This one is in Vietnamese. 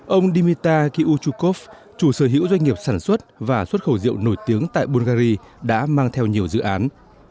ông dimitar kiyuchukov chủ sở hữu doanh nghiệp sản xuất và xuất khẩu rượu nổi tiếng tại bulgari đã mang theo nhiều dự án